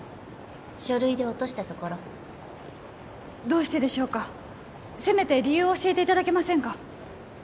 書類で落としたところどうしてでしょうかせめて理由を教えていただけませんか？